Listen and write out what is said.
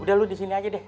udah lu di sini aja deh